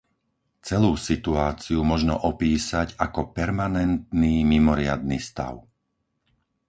Celú situáciu možno opísať ako permanentný mimoriadny stav.